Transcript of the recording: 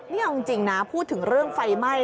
นี่เอาจริงนะพูดถึงเรื่องไฟไหม้